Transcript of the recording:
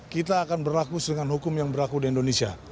kita akan berlaku dengan hukum yang berlaku di indonesia